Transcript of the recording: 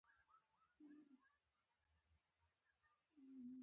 هغه د طبیعت په یو ځواک باندې حاکم شو.